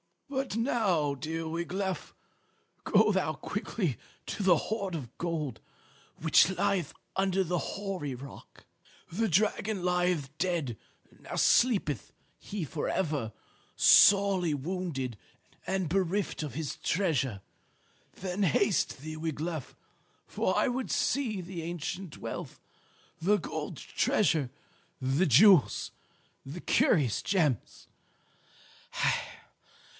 "But now, dear Wiglaf, go thou quickly to the hoard of gold which lieth under the hoary rock. The dragon lieth dead; now sleepeth he for ever, sorely wounded and bereft of his treasure. Then haste thee, Wiglaf, for I would see the ancient wealth, the gold treasure, the jewels, the curious gems.